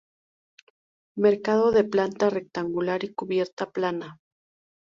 Mercado de planta rectangular y cubierta plana.